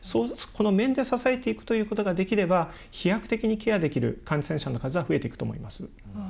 この面で支えていくことができれば、飛躍的にケアできる感染者の数は増えていくと思います。